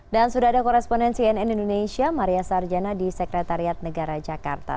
dan sudah ada koresponen cnn indonesia maria sarjana di sekretariat negara jakarta